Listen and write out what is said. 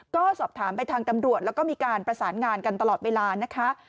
ก็สอบถามไปทางตำรวจแล้วก็มีการประสานงานกันตลอดเวลานะคะ